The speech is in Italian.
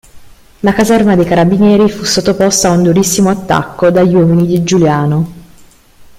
La caserma dei carabinieri fu sottoposta a un durissimo attacco dagli uomini di Giuliano.